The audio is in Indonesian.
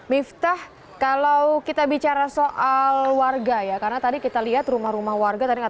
miftah kalau kita bicara soal warga ya karena tadi kita lihat rumah rumah warga